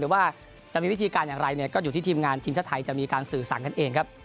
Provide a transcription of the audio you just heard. ว่าจะมีวิธีการอย่างไรเนี่ยก็อยู่ที่ทีมงานทีมชาติไทยจะมีการสื่อสารกันเองครับ